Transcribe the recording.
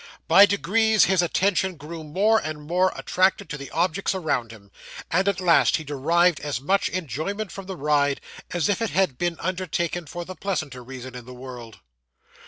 By degrees his attention grew more and more attracted by the objects around him; and at last he derived as much enjoyment from the ride, as if it had been undertaken for the pleasantest reason in the world.